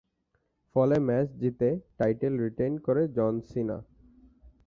ফলে ম্যাচ জিতে title retain করে জন সিনা।